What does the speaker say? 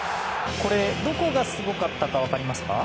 これ、どこがすごかったか分かりますか。